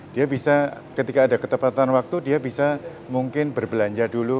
dia bisa ketika ada ketepatan waktu dia bisa mungkin berbelanja dulu